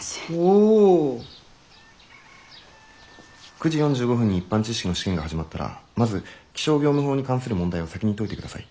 「９時４５分に一般知識の試験が始まったらまず気象業務法に関する問題を先に解いてください。